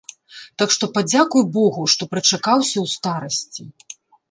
Так што падзякуй богу, што прычакаўся ў старасці.